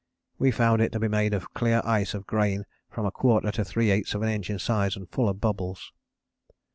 We found it to be made of clear ice of grain from a quarter to three eighths of an inch in size and full of bubbles.